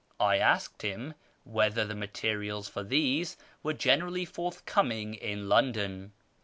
I asked him whether the materials for these were generally forthcoming in London.